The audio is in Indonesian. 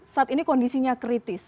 saat ini kondisinya kritis